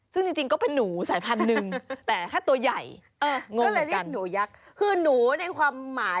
ซึ่งจริงก็เป็นหนูสายพันธุ์หนึ่ง